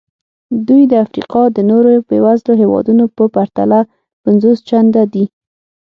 دوی د افریقا د نورو بېوزلو هېوادونو په پرتله پنځوس چنده دي.